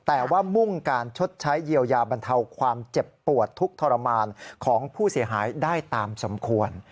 แต่ว่ามุ่งการชดใช้เยียวยาบรรเทาความเจ็บปวดทุกข์ทรมานของผู้เสียหายได้ตามสมควร